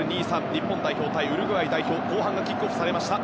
日本代表対ウルグアイ代表後半がキックオフされました。